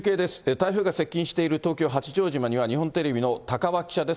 台風が接近している東京・八丈島には、日本テレビの高和記者です。